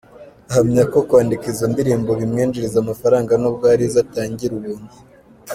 Ahamya ko kwandika izo ndirimbo bimwinjiriza amafaranga nubwo hari izo atangira ubuntu.